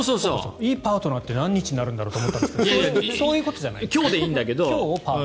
いいパートナーって何日になるんだろうって思ったんですけどそういうことじゃない。